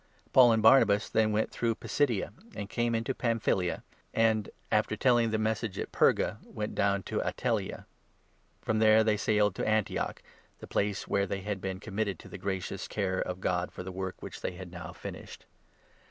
Paul and Barnabas then went through Pisidia, and 24 came into Pamphylia, and, after telling the Message at Perga, 25 went down to Attaleia. From there they sailed to 26 Barnabas Antioch — the place where they had been com mitted to the gracious care of God for the work at Syrian which they had now finished.